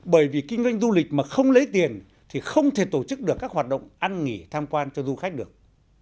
bởi vì kinh doanh du lịch mà không lấy tiền thì không thể tổ chức được các hoạt động ăn nghỉ tham quan cho du khách được